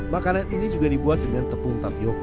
makanan ini juga dibuat dengan tepung tapioca